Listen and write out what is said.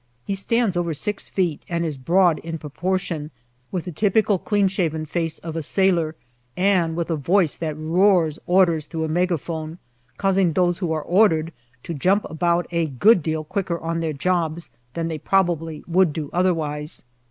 He stands over 6 feet and is broad in proportion, with the typical clean shaven face of a sailor, and with a voice that roars orders through a megaphone, causing those who are ordered to jump about a good deal quicker on their jobs than they probably would do otherwise.